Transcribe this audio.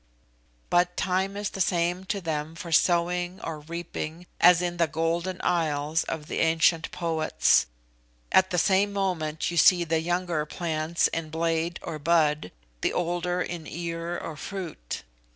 But time is the same to them for sowing or reaping as in the Golden Isles of the ancient poets. At the same moment you see the younger plants in blade or bud, the older in ear or fruit.